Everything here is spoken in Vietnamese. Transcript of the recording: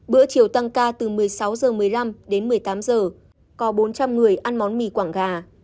bữa chiều tăng ca từ một mươi sáu h một mươi năm đến một mươi tám h có bốn trăm linh người ăn món mì quảng gà